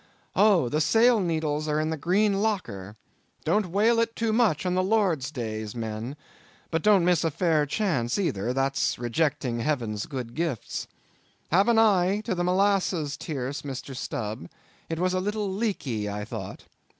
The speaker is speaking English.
Oh! the sail needles are in the green locker! Don't whale it too much a' Lord's days, men; but don't miss a fair chance either, that's rejecting Heaven's good gifts. Have an eye to the molasses tierce, Mr. Stubb; it was a little leaky, I thought.